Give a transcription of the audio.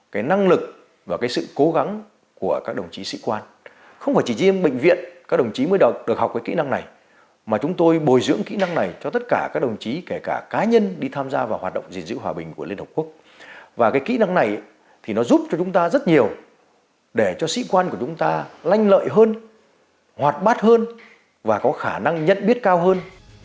cái năng lực và cái sự cố gắng của các đồng chí sĩ quan không phải chỉ riêng bệnh viện các đồng chí mới được học cái kỹ năng này mà chúng tôi bồi dưỡng kỹ năng này cho tất cả các đồng chí kể cả cá nhân đi tham gia vào hoạt động gìn giữ hòa bình của liên hợp quốc và cái kỹ năng này thì nó giúp cho chúng ta rất nhiều để cho sĩ quan của chúng ta lanh lợi hơn hoạt bát hơn và có khả năng nhận biết cao hơn